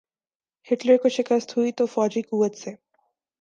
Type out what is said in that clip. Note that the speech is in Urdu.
ہٹلر کو شکست ہوئی تو فوجی قوت سے۔